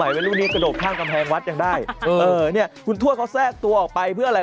สมัยวัยรุ่นนี่กระโดบข้างกำแพงวัดยังได้คุณทวชเขาแทรกตัวออกไปเพื่ออะไร